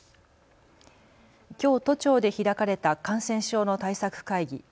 きょう都庁で開かれた感染症の対策会議。